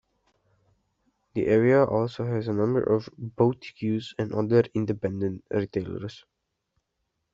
The area also has a number of boutiques and other independent retailers.